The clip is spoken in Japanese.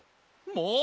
もう！